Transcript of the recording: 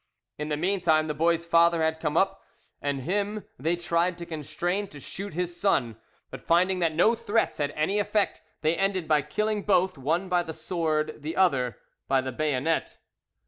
In the meantime the boy's father had come up, and him they tried to constrain to shoot his son; but finding that no threats had any effect, they ended by killing both, one by the sword, the other by the bayonet.